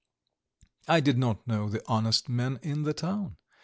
I did not know one honest man in the town.